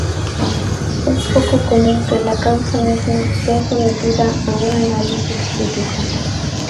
Es poco común que la causa misma sea sometida a un análisis crítico.